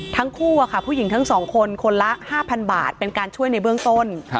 ทั้งคู่ผู้หญิงทั้ง๒คนคนละ๕๐๐บาทเป็นการช่วยในเบื้องต้น